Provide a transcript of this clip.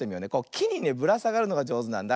きにねぶらさがるのがじょうずなんだ。